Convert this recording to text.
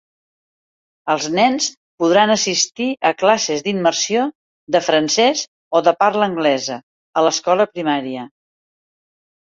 Els nens podran assistir a classes d'immersió de francès o de parla anglesa a l'escola primària.